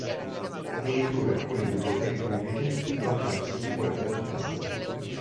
Addirittura alcune biblioteche pubbliche bloccano siti web di prestito.